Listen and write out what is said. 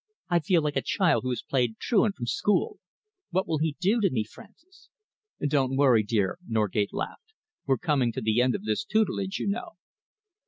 I feel like a child who has played truant from school. What will he do to me, Francis?" "Don't worry, dear," Norgate laughed. "We're coming to the end of this tutelage, you know."